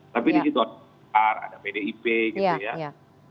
tapi di situ ada pkb ada pdip gitu ya